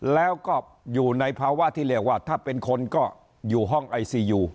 แล้วก็อยู่ในภาวะที่เรียกว่าถ้าเป็นคนก็อยู่ห้องไอซียู